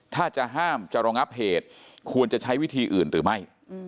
ถ้าจะห้ามจะรองับเหตุควรจะใช้วิธีอื่นหรือไม่